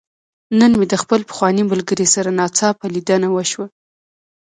نن مې د خپل پخواني ملګري سره ناڅاپه ليدنه وشوه.